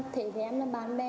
thế với em là bạn bè